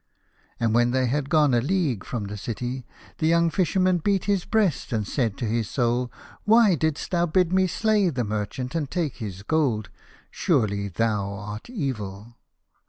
And when they had gone a league from the city, the young Fisherman beat his breast, and said to his Soul, " Why didst thou bid me slay the merchant and take his gold ? Surely thou art evil."